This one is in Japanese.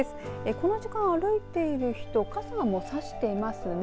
この時間歩いている人傘をさしていますね。